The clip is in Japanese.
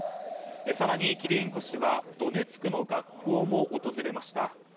更に、キリエンコ氏はドネツクの学校も訪れました。